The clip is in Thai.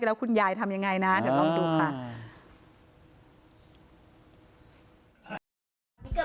แล้วคุณยายทำยังไงนะเดี๋ยวลองดูค่ะ